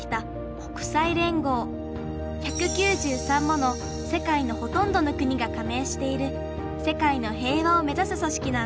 １９３もの世界のほとんどの国がかめいしている世界の平和を目指すそしきなんだ。